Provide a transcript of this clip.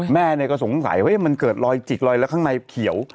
แม่ก็สงสัยว่ามันเกิดรอยจิกรอยแล้วข้างในเขียว